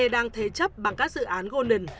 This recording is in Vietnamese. đang thế chấp bằng các dự án gồ nền